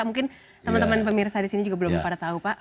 mungkin teman teman pemirsa di sini juga belum pada tahu pak